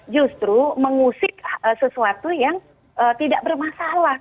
justru mengusik sesuatu yang tidak bermasalah